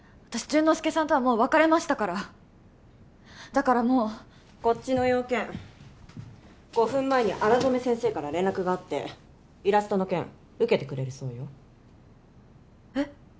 私潤之介さんとはもう別れましたからだからもうこっちの用件５分前に荒染先生から連絡があってイラストの件受けてくれるそうよえっ！？